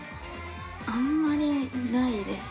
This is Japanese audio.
あんまりないです。